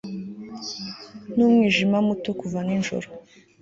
n'umwijima muto kuva nijoro